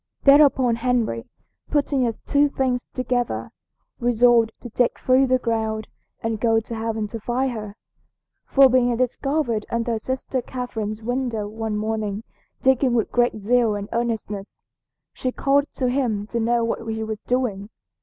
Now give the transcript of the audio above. Thereupon Henry, putting the two things together, resolved to dig through the ground and go to heaven to find her; for being discovered under sister Catherine's window one morning digging with great zeal and earnestness, she called to him to know what he was doing.